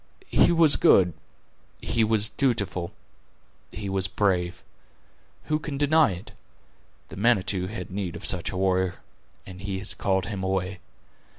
He was good; he was dutiful; he was brave. Who can deny it? The Manitou had need of such a warrior, and He has called him away.